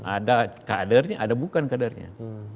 ada kadernya ada bukan kadernya